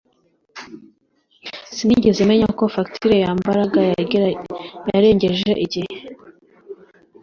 Sinigeze menya ko fagitire ya Mbaraga yarengeje igihe